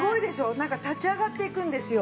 なんか立ち上がっていくんですよ。